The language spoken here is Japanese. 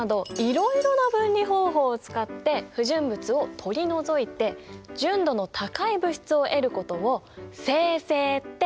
いろいろな分離方法を使って不純物を取り除いて純度の高い物質を得ることを精製っていうんだよ。